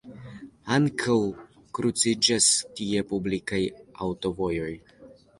Ankaŭ kruciĝas tie publikaj aŭtovojoj.